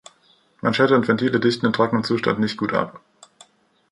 Manschette und Ventile dichten in trockenem Zustand nicht gut ab.